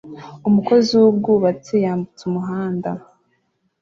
Umukozi wubwubatsi yambutse umuhanda